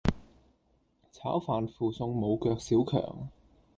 炒飯附送無腳小强